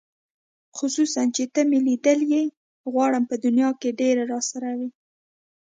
خصوصاً چې ته مې لیدلې غواړم په دې دنیا ډېره راسره وې